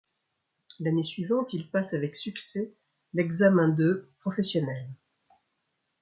L'année suivante, il passe avec succès l'examen de professionnel.